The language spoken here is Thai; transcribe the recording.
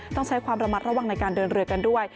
ต้องใช้ความระมัดระวังในการเดินเรือกันด้วย